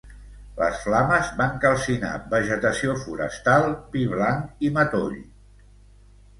Les flames van calcinar vegetació forestal, pi blanc i matoll.